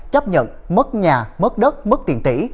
chấp nhận mất nhà mất đất mất tiền tỷ